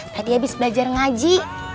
tadi habis belajar ngaji